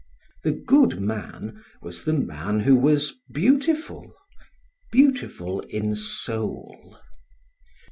The good man was the man who was beautiful beautiful in soul.